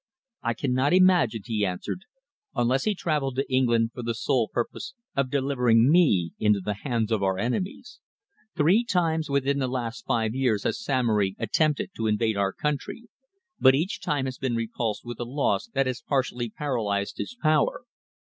"I cannot imagine," he answered. "Unless he travelled to England, for the sole purpose of delivering me into the hands of our enemies. Three times within the last five years has Samory attempted to invade our country, but each time has been repulsed with a loss that has partially paralysed his power.